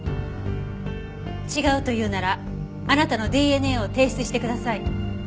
違うと言うならあなたのＤＮＡを提出してください。